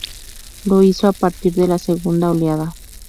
Lo hizo a partir de la segunda oleada.